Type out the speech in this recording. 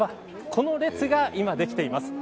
この列が今、できています。